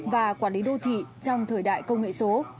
và quản lý đô thị trong thời đại công nghệ số